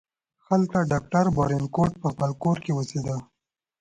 هلته ډاکټر بارنیکوټ په خپل کور کې اوسیده.